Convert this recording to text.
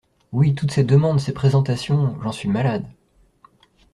Oui, toutes ces demandes, ces présentations… j’en suis malade !…